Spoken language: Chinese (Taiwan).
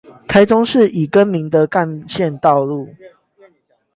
台中市已更名的幹線道路